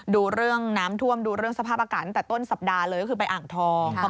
ดูเรื่องน้ำท่วมดูเรื่องสภาพอากาศตั้งแต่ต้นสัปดาห์เลยก็คือไปอ่างทอง